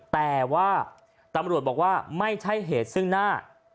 แต่ว่าตำรวจบอกว่าไม่ใช่เหตุซึ่งหน้า